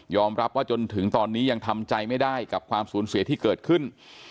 รับว่าจนถึงตอนนี้ยังทำใจไม่ได้กับความสูญเสียที่เกิดขึ้น